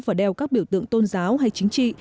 và đeo các biểu tượng tôn giáo hay chính trị